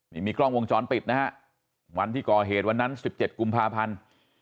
นี่มีกล้องวงจรปิดนะฮะวันที่ก่อเหตุวันนั้น๑๗กุมภาพันธ์